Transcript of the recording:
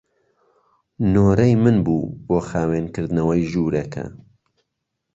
نۆرەی من بوو بۆ خاوێنکردنەوەی ژوورەکە.